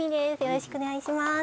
よろしくお願いします